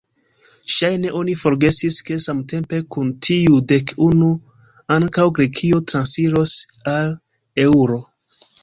Ŝajne oni forgesis ke samtempe kun tiuj dek unu, ankaŭ Grekio transiros al eŭro.